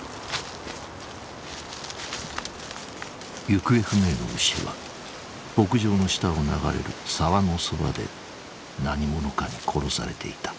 行方不明の牛は牧場の下を流れる沢のそばで何者かに殺されていた。